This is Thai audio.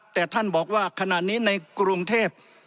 แต่ท่านบอกว่าขณะนี้ในกรุงเทพ